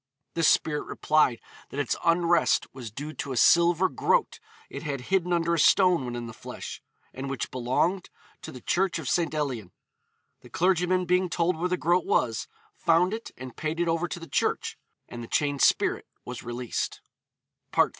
The spirit replied that its unrest was due to a silver groat it had hidden under a stone when in the flesh, and which belonged to the church of St. Elian. The clergyman being told where the groat was, found it and paid it over to the church, and the chained spirit was released. FOOTNOTE: Jones, 'Apparitions.'